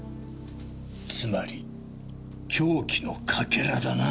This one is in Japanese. つまり凶器のかけらだな。